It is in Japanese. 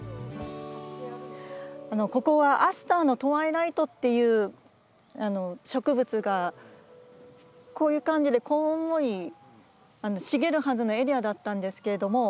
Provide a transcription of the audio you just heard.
ここはアスターのトワイライトっていう植物がこういう感じでこんもり茂るはずのエリアだったんですけれども。